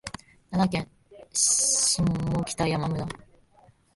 奈良県下北山村